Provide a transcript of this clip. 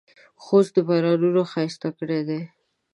خوست بارانونو ښایسته کړی دی.